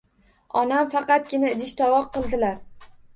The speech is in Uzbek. Onam faqatgina idish-tovoq qildilar.